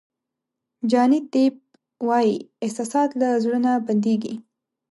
جاني دیپ وایي احساسات له زړه نه بندېږي.